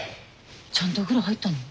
ちゃんとお風呂入ったの？